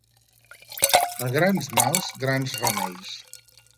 A grans mals grans remeis